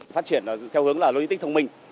phát triển theo hướng là logistic thông minh